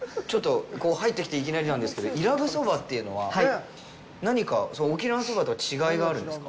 ここ入ってきていきなりなんですけど伊良部そばっていうのは何か沖縄そばとは違いがあるんですか？